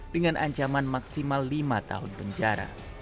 dengan ancaman maksimal lima tahun penjara